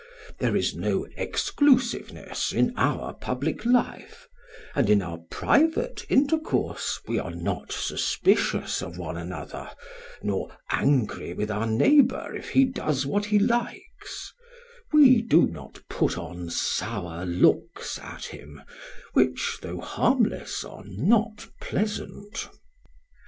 There is no exclusiveness in our public life, and in our private intercourse we are not suspicious of one another, nor angry with our neighbour if he does what he likes; we do not put on sour looks at him, which, though harmless, are not pleasant.